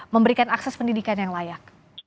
memberikan akses pendidikan yang layak